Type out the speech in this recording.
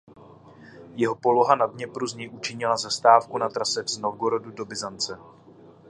Jeho poloha na Dněpru z něj učinila zastávku na trase z Novgorodu do Byzance.